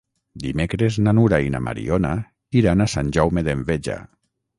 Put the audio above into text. Dimecres na Nura i na Mariona iran a Sant Jaume d'Enveja.